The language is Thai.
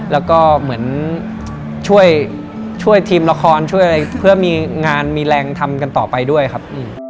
แล้วก็เหมือนช่วยทีมละครช่วยอะไรเพื่อมีงานมีแรงทำกันต่อไปด้วยครับ